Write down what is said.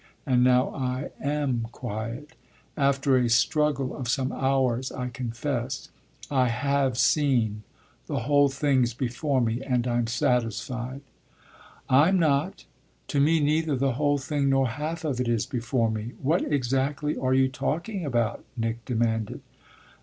And now I am quiet after a struggle of some hours, I confess. I have seen; the whole thing's before me and I'm satisfied." "I'm not to me neither the whole thing nor half of it is before me. What exactly are you talking about?" Nick demanded.